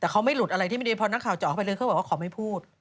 แต่เขาไม่หลุดอะไรที่ไม่ได้เพราะนักข่าวจะออกไปเลยเขาบอกว่าขอไม่พูด